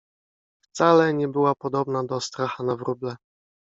Wcale nie była podobna do stracha na wróble.